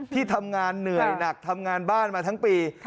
ที่ทำงานเหนื่อยหนักทำงานบ้านมาทั้งปี